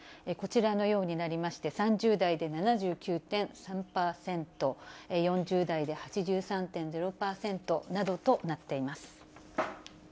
こちらのようになりまして、３０代で７９．３％、４０代で８３．０％などとなっています。